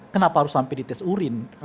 kenapa harus sampai dites urin